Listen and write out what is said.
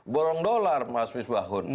borong dolar mas misbahun